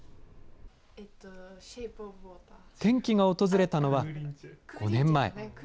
転機が訪れたのは、５年前。